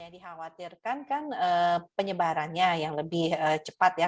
dikhawatirkan kan penyebarannya yang lebih cepat ya